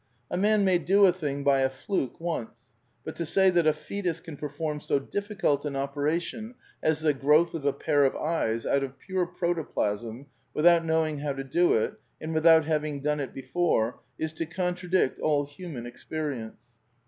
A man may do a thing by a fluke once, but to say that a foetus can perform so difficult an operation as the growth of a pair of eyes out of pure protoplasm without knowing how to do it, and without having done it before, is to contradict all human experience.